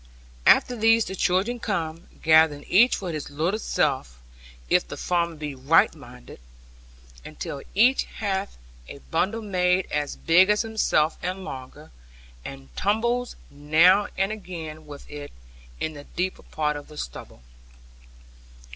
After these the children come, gathering each for his little self, if the farmer be right minded; until each hath a bundle made as big as himself and longer, and tumbles now and again with it, in the deeper part of the stubble.